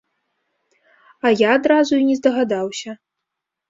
А я адразу і не здагадаўся.